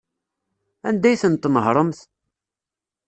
Anda ay ten-tnehṛemt?